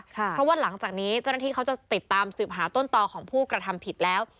เพราะว่าหลังจากนี้เจ้าหน้าที่เขาจะติดตามสืบหาต้นต่อของผู้กระทำผิดแล้ว